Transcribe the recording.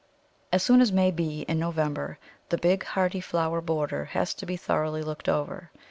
As soon as may be in November the big hardy flower border has to be thoroughly looked over.